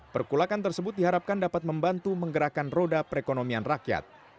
perkulakan tersebut diharapkan dapat membantu menggerakkan roda perekonomian rakyat